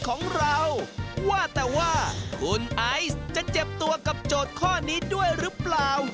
ของพี่ถูกกว่าหรออันนี้ถูกสุด